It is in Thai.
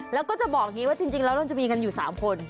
แล้วก็จะบอกงี้ว่าจริงเราจะมีกันอยู่สามคน